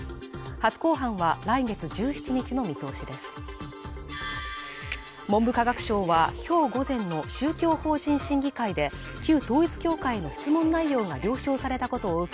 初公判は来月１７日の見通しです文部科学省はきょう午前の宗教法人審議会で旧統一教会の質問内容が了承されたことを受け